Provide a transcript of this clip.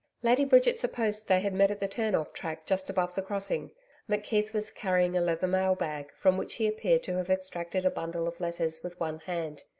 Lady Bridget supposed they had met at the turn off track just above the crossing. McKeith was carrying a leather mail bag, from which he appeared to have extracted a bundle of letters, with one hand.